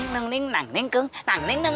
tunggu tunggu tunggu dong